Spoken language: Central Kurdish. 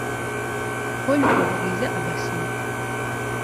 پۆل پۆل ڕیزە ئەبەسن